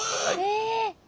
え！